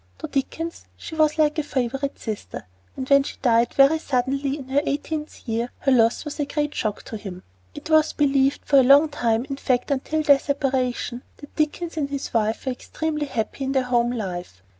To Dickens she was like a favorite sister, and when she died very suddenly, in her eighteenth year, her loss was a great shock to him. It was believed for a long time in fact, until their separation that Dickens and his wife were extremely happy in their home life.